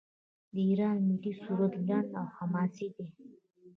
د ایران ملي سرود لنډ او حماسي دی.